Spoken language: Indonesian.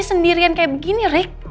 sendirian kayak begini rik